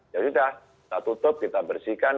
ya sudah kita tutup kita bersihkan